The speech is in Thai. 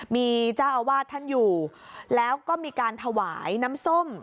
มีเจ้าอาวาสท่านอยู่แล้วก็มีการถวายน้ำส้ม